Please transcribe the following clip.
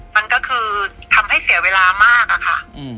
มันก็คือทำให้เสียเวลามากอะค่ะ